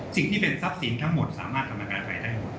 สิ่งที่เป็นทรัพย์สินทั้งหมดสามารถทำประกันภัยได้หมด